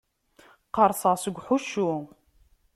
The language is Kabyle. Qqerṣeɣ seg uḥuccu.